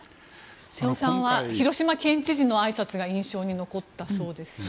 瀬尾さんは広島県知事のあいさつが印象に残ったそうですね。